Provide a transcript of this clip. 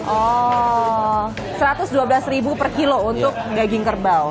oh rp satu ratus dua belas per kilo untuk daging kerbau